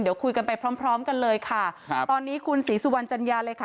เดี๋ยวคุยกันไปพร้อมพร้อมกันเลยค่ะครับตอนนี้คุณศรีสุวรรณจัญญาเลยค่ะ